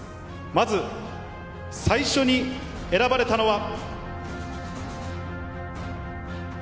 まず最初に選ばれたのは。